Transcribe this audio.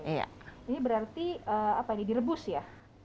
ini berarti direbus ya